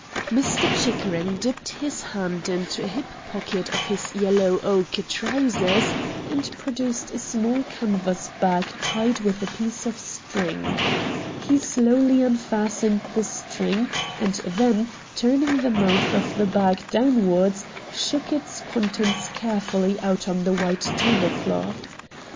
Mr. Chickering dipped his hand into a hip pocket of his yellow ochre trousers and produced a small canvas bag tied with a piece of string. He slowly unfastened the string, and then, turning the mouth of the bag downwards, shook its contents carefully out on to the white tablecloth.